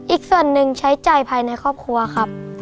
อีกส่วนหนึ่งใช้จ่ายภายในครอบครัวครับ